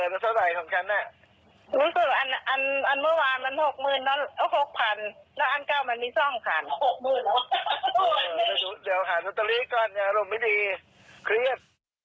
เออเดี๋ยวหานัตรีก่อนอารมณ์ไม่ดีเครียด